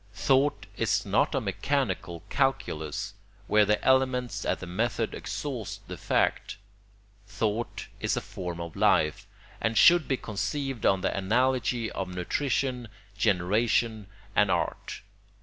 Thought is not a mechanical calculus, where the elements and the method exhaust the fact. Thought is a form of life, and should be conceived on the analogy of nutrition, generation, and art.